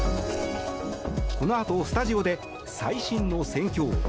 このあとスタジオで最新の戦況